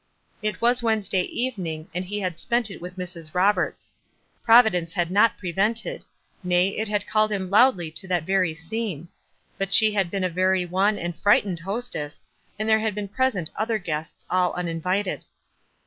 It was Wednesday evening, and he had spent it with Mrs. Roberts. Providence had not prevented, — nay, it had called him loudly to that very scene ; but she had been a very wan and frightened hostess, and there had been present other guests all un invited.